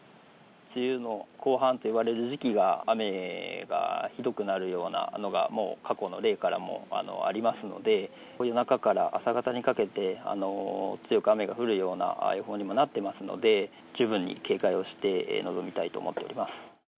梅雨の後半といわれる時期が、雨がひどくなるようなのが、もう過去の例からもありますので、夜中から朝方にかけて、強く雨が降るような予報にもなっていますので、十分に警戒をして臨みたいと思っております。